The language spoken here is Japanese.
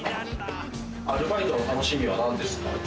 アルバイトの楽しみはなんですか？